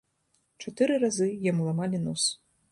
Чатыры разы яму ламалі нос.